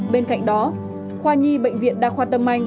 bên cạnh đó khoa nhi bệnh viện đa khoa tâm anh